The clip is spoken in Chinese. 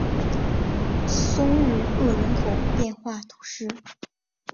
松日厄人口变化图示